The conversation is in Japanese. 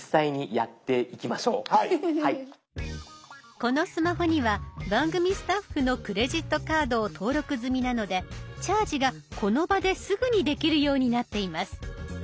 このスマホには番組スタッフのクレジットカードを登録済みなのでチャージがこの場ですぐにできるようになっています。